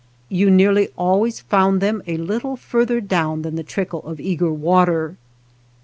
You nearly always found them a little farther down than the trickle of eager water.